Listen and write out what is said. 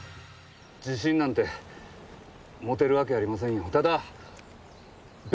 自信なんて持てるわけありませんよ。